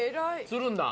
するんだ。